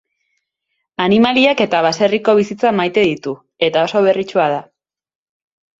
Animaliak eta baserriko bizitza maite ditu, eta oso berritsua da.